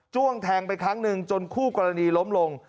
้วงแทงไปครั้งหนึ่งจนคู่กรณีล้มลง